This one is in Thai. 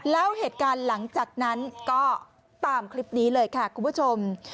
แล้วเหตุการณ์หลังจากนั้นก็ตามคลิปนี้เลยค่ะคุณผู้ชม